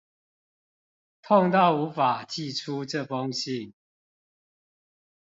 痛到無法寄出這封信